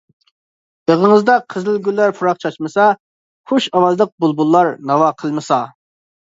بېغىڭىزدا قىزىلگۈللەر پۇراق چاچمىسا. خۇش ئاۋازلىق بۇلبۇللار ناۋا قىلمىسا.